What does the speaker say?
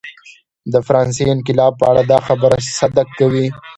د فرانسې انقلاب په اړه دا خبره صدق کوي.